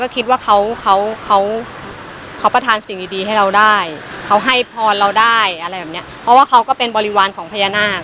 คิดว่าเขาประทานสิ่งดีให้เราได้ก็ยังมีพรได้เพราะเขาเป็นบริวารของพญานาค